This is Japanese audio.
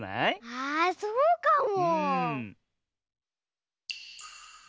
あそうかも！